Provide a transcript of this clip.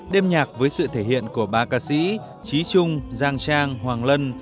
đêm nhạc với sự thể hiện của ba ca sĩ trí trung giang trang hoàng lân